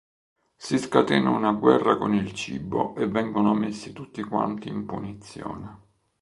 Si scatena una guerra con il cibo e vengono messi tutti quanti in punizione.